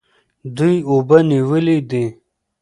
دوی اوبه نیولې دي.